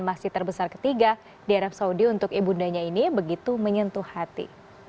masih terbesar ketiga di arab saudi untuk ibu undanya ini begitu menyentuh hati